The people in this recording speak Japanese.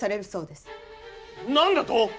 何だと！？